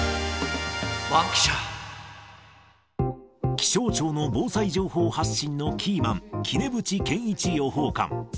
気象庁の防災情報発信のキーマン、杵渕健一予報官。